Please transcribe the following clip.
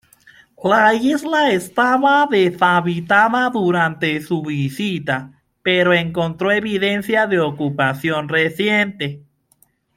La isla estaba deshabitada durante su visita, pero encontró evidencia de ocupación reciente.